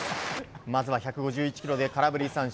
まずは１５１キロで空振り三振。